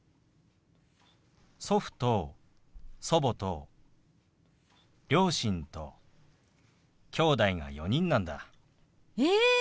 祖父と祖母と両親ときょうだいが４人なんだ。え！